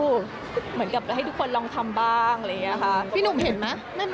เหมือนกับให้ทุกคนลองทำบ้างเลยค่ะ